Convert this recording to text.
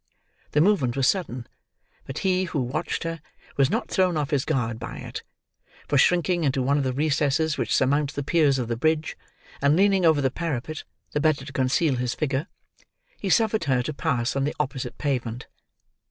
The movement was sudden; but he who watched her, was not thrown off his guard by it; for, shrinking into one of the recesses which surmount the piers of the bridge, and leaning over the parapet the better to conceal his figure, he suffered her to pass on the opposite pavement.